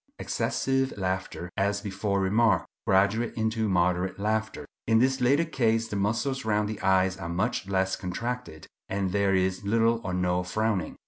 Excessive laughter, as before remarked, graduates into moderate laughter. In this latter case the muscles round the eyes are much less contracted, and there is little or no frowning.